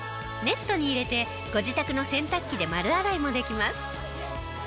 ネットに入れてご自宅の洗濯機で丸洗いもできます。